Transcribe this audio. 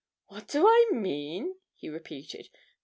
'What do I mean?' he repeated.